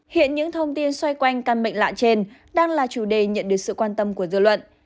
hiện những thông tin xoay quanh căn bệnh lạ trên đang là chủ đề nhận được sự quan tâm của dư luận